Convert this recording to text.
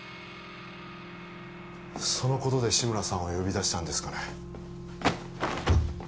そのことで志村さんを呼び出したんですかね？